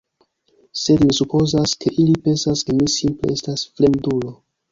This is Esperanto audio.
Sed mi supozas, ke ili pensas ke mi simple estas fremdulo.